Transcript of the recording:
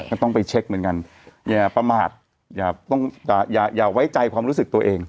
ก็ต้องไปเช็คเหมือนกันอย่าประมาทอย่าต้องอย่าไว้ใจความรู้สึกตัวเอง